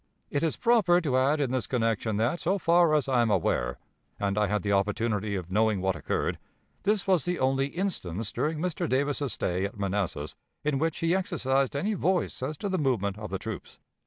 "It is proper to add in this connection that, so far as I am aware and I had the opportunity of knowing what occurred this was the only instance during Mr. Davis's stay at Manassas in which he exercised any voice as to the movement of the troops.